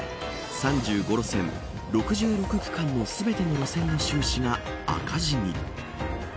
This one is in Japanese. ３５路線６６区間の全ての路線の収支が赤字に。